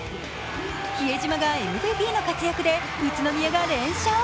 比江島がＭＶＰの活躍で宇都宮が連勝。